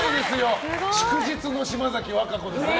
祝日の島崎和歌子ですね。